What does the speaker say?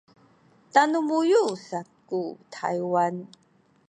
tanu buyu’ saku Taywan